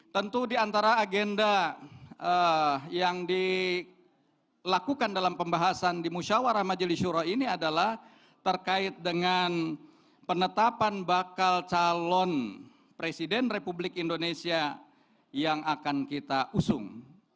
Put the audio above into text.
tentu di antara agenda yang dilakukan dalam pembahasan di musyawarah majelis syurah ini adalah terkait dengan penetapan bakal calon presiden republik indonesia yang akan kita usung